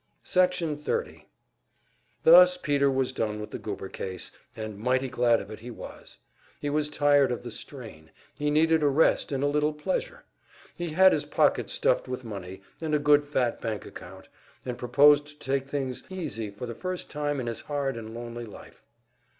Section 30 Thus Peter was done with the Goober case, and mighty glad of it he was. He was tired of the strain, he needed a rest and a little pleasure. He had his pockets stuffed with money, and a good fat bank account, and proposed to take things easy for the first time in his hard and lonely life.